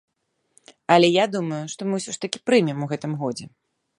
Але я думаю, што мы ўсё ж такі прымем у гэтым годзе.